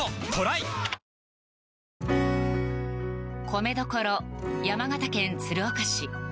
米どころ、山形県鶴岡市。